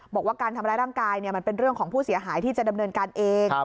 บอกว่าการทำร้ายร่างกายมันเป็นเรื่องของผู้เสียหายที่จะดำเนินการเอง